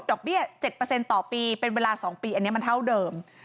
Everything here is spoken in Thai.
อกเบี้ย๗ต่อปีเป็นเวลา๒ปีอันนี้มันเท่าเดิม